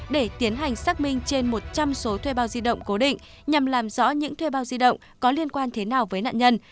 để tiến hành xác minh trên một trăm linh số thuê bao di động cố định nhằm làm rõ những thuê bao di động có liên quan thế nào với nạn nhân